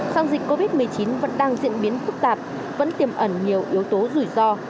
song dịch covid một mươi chín vẫn đang diễn biến phức tạp vẫn tiềm ẩn nhiều yếu tố rủi ro